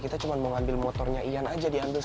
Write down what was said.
kita cuma mau ambil motornya ian aja diantara kita